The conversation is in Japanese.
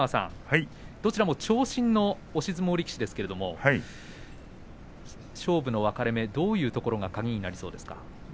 どちらも長身の押し相撲力士ですけれども勝負の分かれ目、どういうところが鍵になりそうですか。